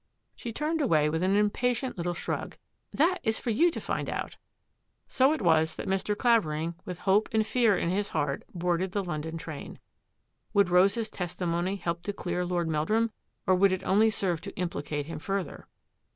" She turned away with an impatient little shrug. " That is for you to find out." So it was that Mr. Clavering, with hope and fear in his heart, boarded the London train. Would Rose's testimony help to clear Lord Meldrum, or would it only serve to implicate him further?